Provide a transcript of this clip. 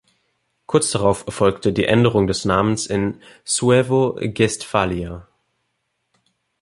Kurz darauf erfolgte die Änderung des Namens in "Suevo-Guestphalia".